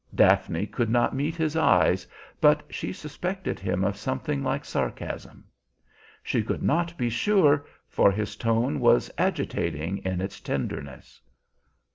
Daphne could not meet his eyes; but she suspected him of something like sarcasm. She could not be sure, for his tone was agitating in its tenderness.